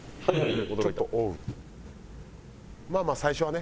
まあまあ最初はね。